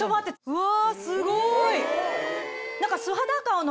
うわ！